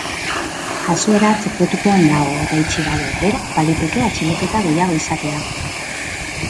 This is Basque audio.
Jazoera sekretupean dago eta itxi gabe, beraz, baliteke atxiloketa gehiago izatea.